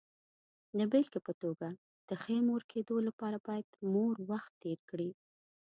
د بېلګې په توګه، د ښې مور کېدو لپاره باید مور وخت تېر کړي.